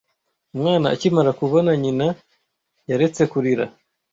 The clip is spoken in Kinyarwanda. Umwana akimara kubona nyina, yaretse kurira.